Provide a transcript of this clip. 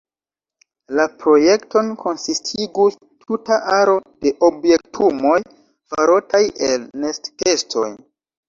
La projekton konsistigus tuta aro de objektumoj farotaj el nestkestoj.